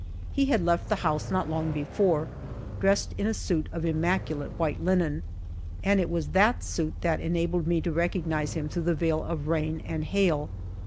He had left the house not long before, dressed in a suit of immaculate white linen, and it was that suit that enabled me to recognize him through the veil of rain and hail.